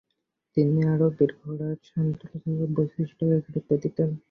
তিনি আরবীয় ঘোড়ার স্বতন্ত্র বৈশিষ্ট্যকে গুরুত্ব দিতেন।